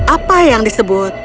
apa yang disebut